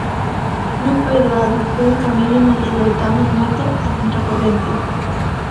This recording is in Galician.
Non foi doado, foi un camiño no que loitamos moito a contracorrente.